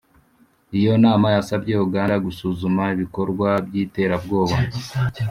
iyo nama yasabye uganda gusuzuma ibikorwa by’iterabwoba